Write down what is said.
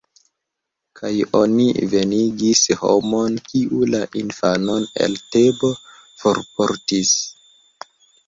Kaj oni venigis homon, kiu la infanon el Tebo forportis.